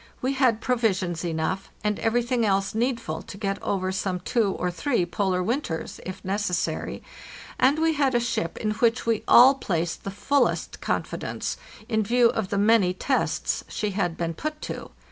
We had provisions enough, and everything else needful to get over some two or three polar winters, if necessary, and we had a ship in which we all placed the fullest confidence, in view of the many tests she had been put to.